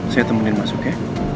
saya temenin masuk ya